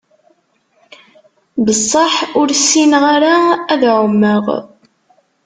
Besseḥ ur ssineγ ara ad εummeγ.